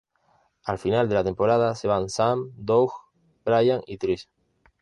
Al final de la temporada se van Sam, Doug, Brian y Trish.